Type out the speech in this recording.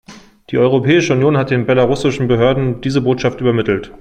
Die Europäische Union hat den belarussischen Behörden diese Botschaft übermittelt.